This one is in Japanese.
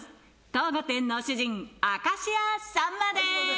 当御殿の主人明石家さんまです！